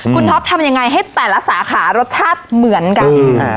คุณท็อปทำยังไงให้แต่ละสาขารสชาติเหมือนกัน